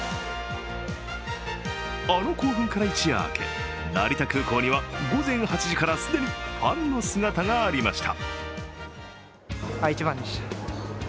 あの興奮から一夜明け成田空港には午前８時から既にファンの姿がありました。